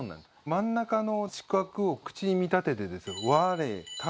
真ん中の四角を「口」に見立てて「吾唯